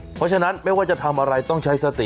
เพราะฉะนั้นไม่ว่าจะทำอะไรต้องใช้สติ